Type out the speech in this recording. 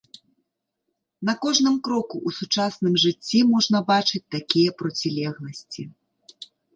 На кожным кроку ў сучасным жыцці можна бачыць такія процілегласці.